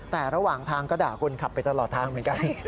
แต่ระหว่างทางก็ด่าคนขับไปตลอดทางเหมือนกัน